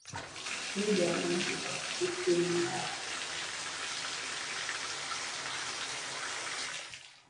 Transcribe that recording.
Heideggar anafafanua kuhusu duara ya kihemenitiki